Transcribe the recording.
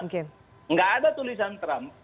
gak ada tulisan trump